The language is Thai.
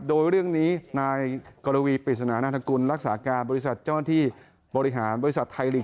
โดยเรื่องนี้นายกรวีปริศนานาธกุลรักษาการบริษัทเจ้าหน้าที่บริหารบริษัทไทยลีก